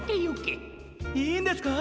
いいんですか？